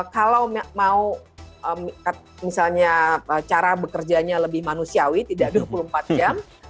kalau mau misalnya cara bekerjanya lebih manusiawi tidak dua puluh empat jam